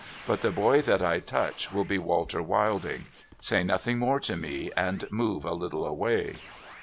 But the boy that I touch, will be Walter Wilding. Say nothing more to me, and move a little away.'